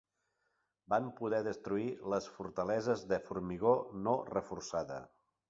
Van poder destruir les fortaleses de formigó no reforçada.